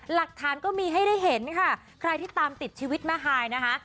หลักฐานก็มีให้ได้เห็นค่ะใครที่ตามติดชีวิตแม่ฮายนะคะ